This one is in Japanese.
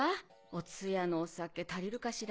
お通夜のお酒足りるかしらね。